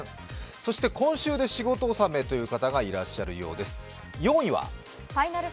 そして、今週で仕事納めという方がいらっしゃるようです。